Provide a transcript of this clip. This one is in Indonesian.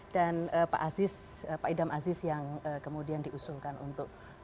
dan pak azis pak idam azis yang kemudian diusulkan untuk